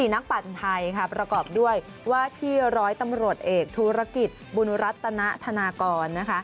นักปั่นไทยประกอบด้วยว่าชื่อร้อยตำรวจเอกธุรกิจบุญรัตนธนากร